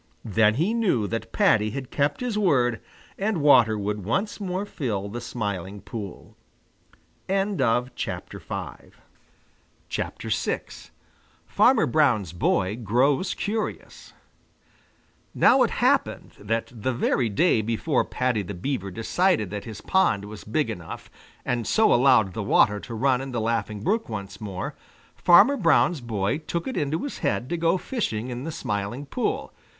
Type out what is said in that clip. Then he knew that Paddy had kept his word and water would once more fill the Smiling Pool. VI FARMER BROWN'S BOY GROWS CURIOUS Now it happened that the very day before Paddy the Beaver decided that his pond was big enough, and so allowed the water to run in the Laughing Brook once more, Farmer Brown's boy took it into his head to go fishing in the Smiling Pool.